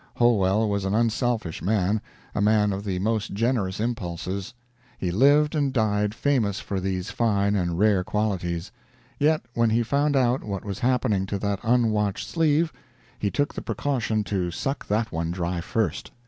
Holwell was an unselfish man, a man of the most generous impulses; he lived and died famous for these fine and rare qualities; yet when he found out what was happening to that unwatched sleeve, he took the precaution to suck that one dry first.